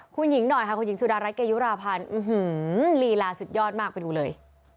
คุณหญิงหน่อยค่ะคุณหญิงสุดารัฐเกยุราพันธ์ลีลาสุดยอดมากไปดูเลย